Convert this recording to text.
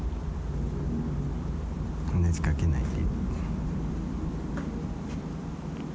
話しかけないで。